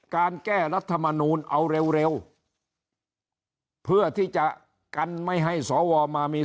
การแก้รัฐมนูลเอาเร็วเพื่อที่จะกันไม่ให้สวมามี